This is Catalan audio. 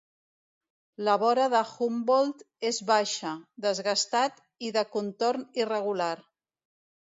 La vora de Humboldt és baixa, desgastat, i de contorn irregular.